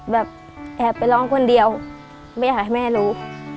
แบบแอบไปร้องคนเดียวไม่อยากให้แม่รู้